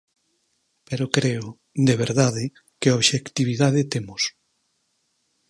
Pero creo, de verdade, que obxectividade temos.